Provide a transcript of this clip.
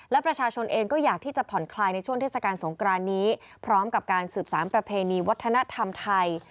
และประชาชนเองก็อยากที่จะผ่อนคลายในช่วงเทศกาลสงครานนี้พร้อมกับการสืบสารประเพณีวัฒนธรรมไทย